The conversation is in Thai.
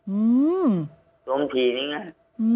อืมต้มถี่นี่ไง